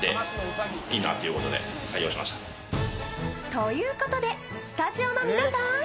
ということでスタジオの皆さん！